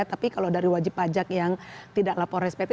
tapi kalau dari wajib pajak yang tidak lapor spt